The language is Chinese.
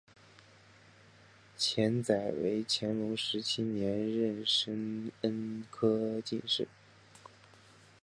钱载为乾隆十七年壬申恩科进士。